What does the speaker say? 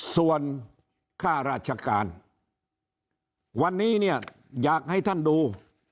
ส่วนค่าราชการวันนี้เนี่ยอยากให้ท่านดู